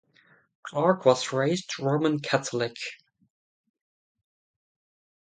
Clark was raised Roman Catholic.